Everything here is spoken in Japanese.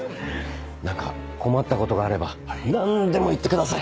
何か困ったことがあれば何でも言ってください。